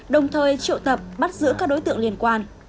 đồng thời triệu tập bắt giữ các đối tượng liên quan